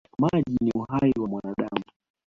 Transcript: Maji ni uhai wa mwanadamu.